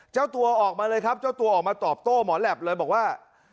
เจ้าตัวออกมาเลยครับเจ้าตัวออกมาตอบโต้หมอแหลปเลยบอกว่า